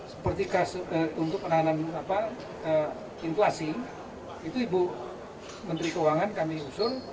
seperti untuk penanganan apa inflasi itu ibu menteri keuangan kami usul